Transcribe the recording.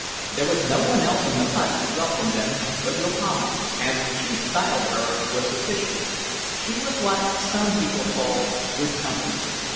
There was no one else in the hut to welcome them, but Yohama, as the chief styled her, was sufficient; she was what some people call "good company."